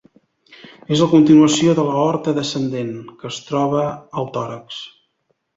És la continuació de l'aorta descendent -que es troba al tòrax.